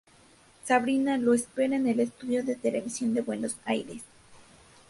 Sabrina lo espera en el estudio de televisión de Buenos Aires.